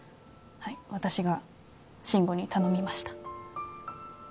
はい私が慎吾に頼みました